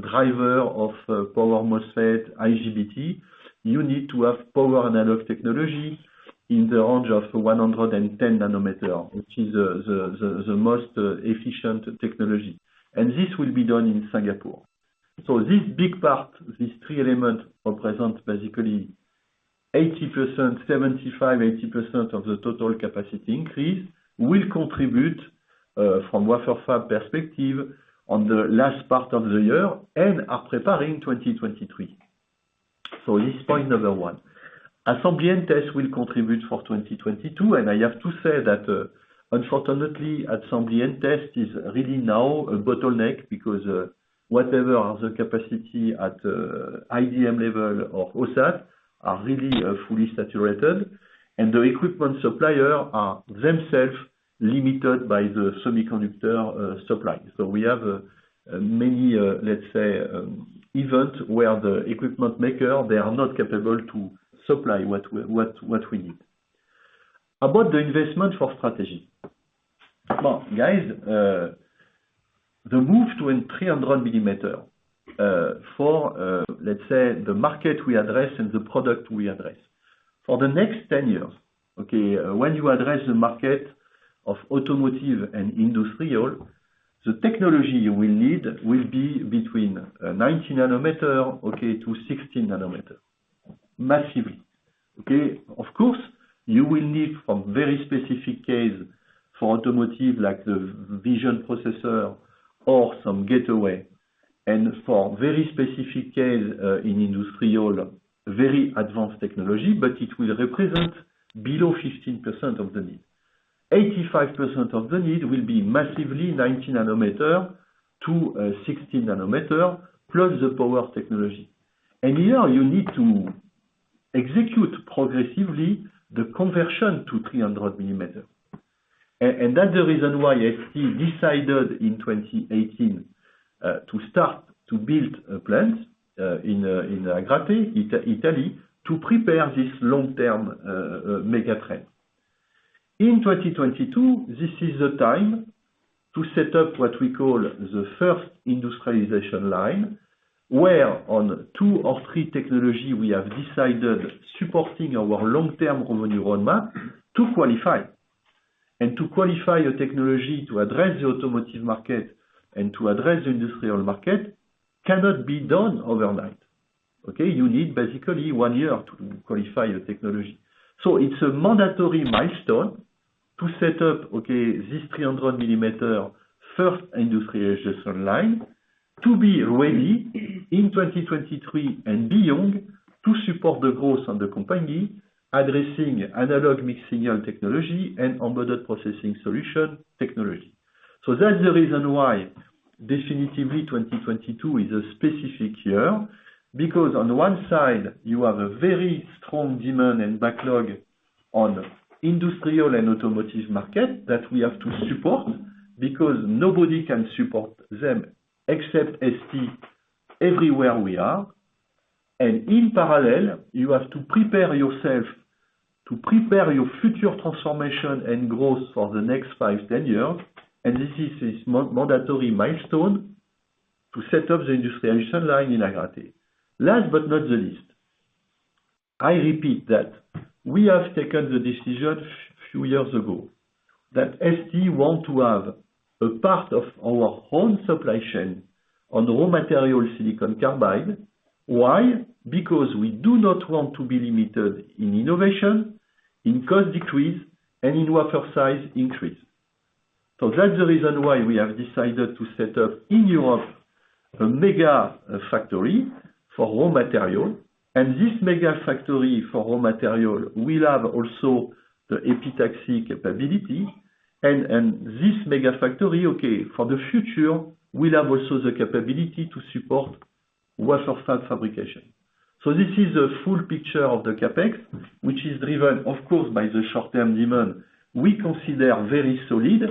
driver of power MOSFET, IGBT, you need to have power analog technology in the range of 110 nm, which is the most efficient technology. This will be done in Singapore. This big part, these three elements represent basically 75%-80% of the total capacity increase will contribute from wafer fab perspective in the last part of the year and are preparing 2023. This point number one. Assembly and test will contribute for 2022, and I have to say that, unfortunately, assembly and test is really now a bottleneck because whatever the capacities are at IDM level or OSAT are really fully saturated, and the equipment suppliers are themselves limited by the semiconductor supply. We have many, let's say, events where the equipment makers they are not capable to supply what we need. About the investment for strategy. Well, guys, the move to a 300 mm for, let's say, the market we address and the product we address. For the next 10 years, when you address the market of automotive and industrial, the technology you will need will be between 90 nm-16 nm. Massively. Of course, you will need some very specific case for automotive, like the vision processor or some gateway, and for very specific case in industrial, very advanced technology, but it will represent below 15% of the need. 85% of the need will be massively 90 nm to 16 nm, plus the power technology. Here you need to execute progressively the conversion to 300 mm. And that's the reason why ST decided in 2018 to start to build plants in Agrate, Italy, to prepare this long-term mega trend. In 2022, this is the time to set up what we call the first industrialization line, where on two or three technology we have decided supporting our long-term revenue roadmap to qualify. To qualify a technology to address the automotive market and to address the industrial market cannot be done overnight. Okay? You need basically one year to qualify a technology. It's a mandatory milestone to set up, okay, this 300-mm first industrialization line. To be ready in 2023 and beyond to support the growth on the company addressing analog mixed signal technology and embedded processing solution technology. That's the reason why definitively 2022 is a specific year. Because on the one side, you have a very strong demand and backlog on industrial and automotive market that we have to support because nobody can support them except ST everywhere we are. In parallel, you have to prepare yourself to prepare your future transformation and growth for the next five, 10 years. This is mandatory milestone to set up the industrialization line in Agrate. Last but not the least, I repeat that we have taken the decision few years ago that ST want to have a part of our own supply chain on raw material silicon carbide. Why? Because we do not want to be limited in innovation, in cost decrease, and in wafer size increase. That's the reason why we have decided to set up in Europe a mega factory for raw material. This mega factory for raw material will have also the epitaxy capability. This mega factory, okay, for the future will have also the capability to support wafer fab fabrication. This is a full picture of the CapEx, which is driven, of course, by the short-term demand we consider very solid.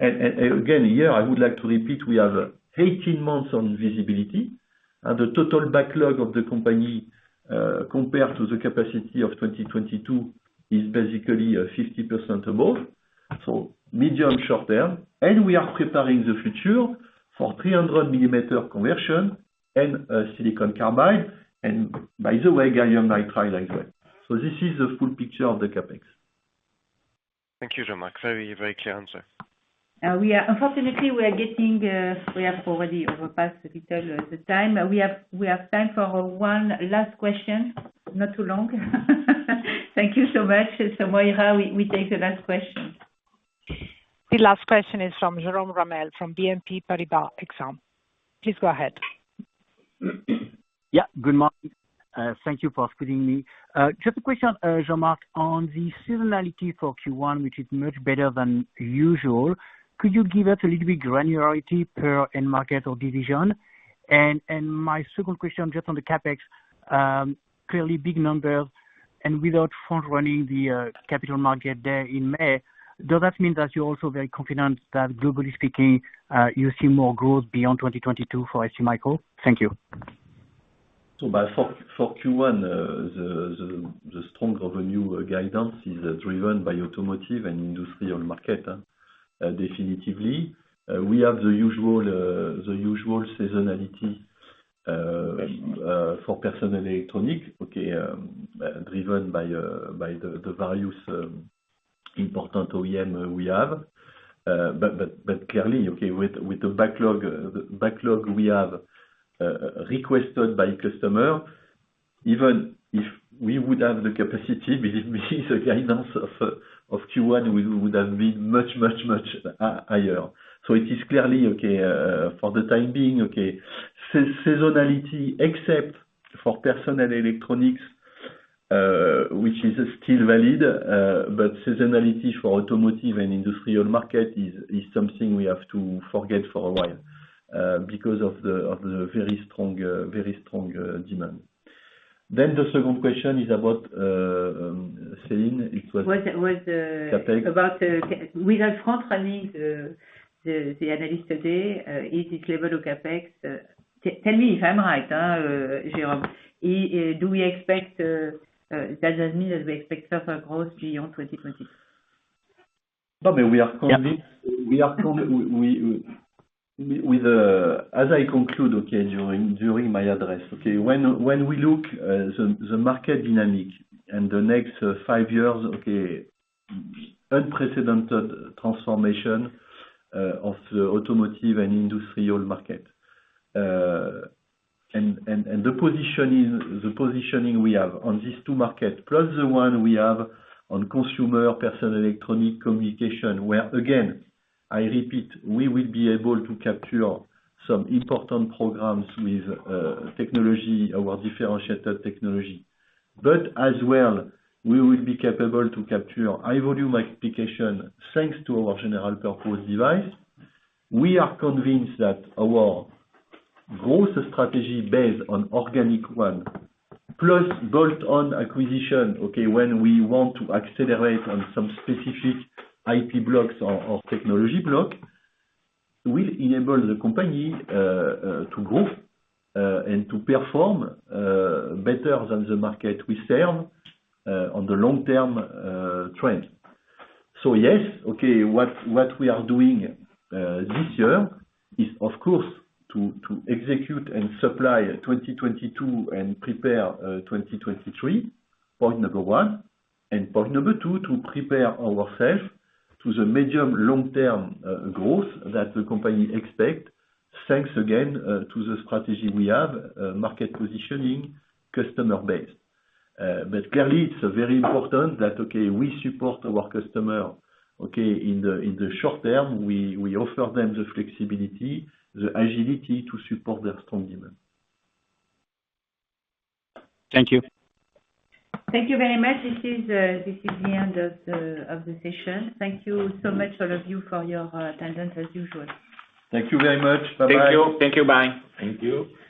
Again, here I would like to repeat, we have 18 months on visibility. The total backlog of the company, compared to the capacity of 2022 is basically 50% above, so medium short term. We are preparing the future for 300 mm conversion and silicon carbide, and by the way, gallium nitride as well. This is the full picture of the CapEx. Thank you, Jean-Marc. Very, very clear answer. Unfortunately, we have already passed a bit the time. We have time for one last question. Not too long. Thank you so much. Moira, we take the last question. The last question is from Jerome Ramel from BNP Paribas Exane. Please go ahead. Yeah. Good morning. Thank you for including me. Just a question, Jean-Marc, on the seasonality for Q1, which is much better than usual. Could you give us a little bit granularity per end market or division? My second question just on the CapEx, clearly big numbers. Without front running the Capital Markets Day in May, does that mean that you're also very confident that globally speaking, you see more growth beyond 2022 for STMicro? Thank you. For Q1, the strong revenue guidance is driven by automotive and industrial market, definitively. We have the usual seasonality for personal electronics, driven by the various important OEM we have. But clearly, with the backlog we have requested by customer, even if we would have the capacity, believe me, the guidance of Q1 would have been much higher. It is clearly seasonality, for the time being, except for personal electronics, which is still valid. Seasonality for automotive and industrial market is something we have to forget for a while, because of the very strong demand. The second question is about Céline. It was- Was, was, uh- CapEx. Without front running the analyst today, is this level of CapEx? Tell me if I'm right, Jerome. Does that mean that we expect tougher growth beyond 2022? No, but we are convinced. Yeah. As I conclude, during my address. When we look at the market dynamic in the next five years, unprecedented transformation of the automotive and industrial market. The positioning we have on these two markets, plus the one we have on consumer personal electronic communication, where again, I repeat, we will be able to capture some important programs with our differentiated technology. We will be capable to capture high volume application thanks to our general purpose device. We are convinced that our growth strategy based on organic one plus bolt-on acquisition. When we want to accelerate on some specific IP blocks or technology block will enable the company to grow and to perform better than the market we serve on the long-term trend. Yes, what we are doing this year is of course to execute and supply 2022 and prepare 2023, point number one. Point number two, to prepare ourselves to the medium long-term growth that the company expects. Thanks again to the strategy we have, market positioning, customer base. Clearly it's very important that we support our customer in the short term. We offer them the flexibility, the agility to support their strong demand. Thank you. Thank you very much. This is the end of the session. Thank you so much all of you for your attendance as usual. Thank you very much. Bye-bye. Thank you. Thank you. Bye. Thank you.